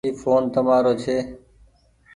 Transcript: اي ڦون تمآرو ڇي۔